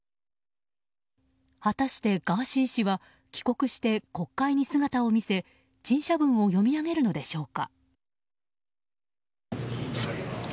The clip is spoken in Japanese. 果たしてガーシー氏は帰国して国会に姿を見せ、陳謝文を読み上げるのでしょうか。